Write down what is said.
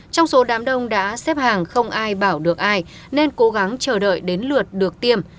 trong số đám đông đã xếp hàng không ai bảo được ai nên cố gắng chờ đợi đến lượt được tiêm